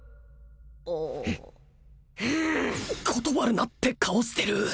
あ断るなって顔してる！